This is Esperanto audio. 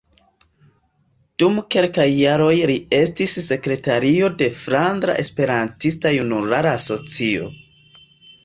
Dum kelkaj jaroj li estis sekretario de Flandra Esperantista Junulara Asocio.